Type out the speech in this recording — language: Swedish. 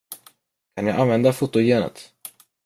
Kan jag använda fotogenet?